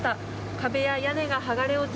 壁や屋根が剥がれ落ち